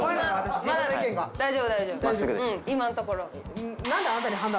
大丈夫。